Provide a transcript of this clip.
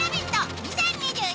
２０２２」